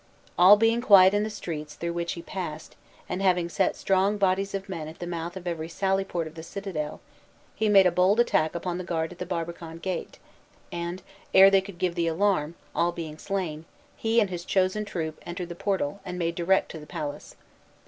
All being quiet in the streets through which he passed, and having set strong bodies of men at the mouth of every sallyport of the citadel, he made a bold attack upon the guard at the barbican gate; and, ere they could give the alarm, all being slain, he and his chosen troop entered the portal, and made direct to the palace.